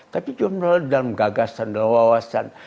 tapi juga dalam gagasan dalam wawasan